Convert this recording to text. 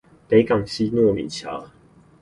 北港溪糯米橋